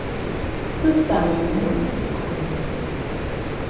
Bɨ sàŋ mə aŋwàʼànə̀.